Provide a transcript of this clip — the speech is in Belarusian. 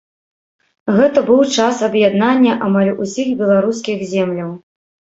Гэта быў час аб'яднання амаль усіх беларускіх земляў.